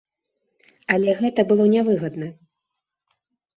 Але гэта было не выгадна.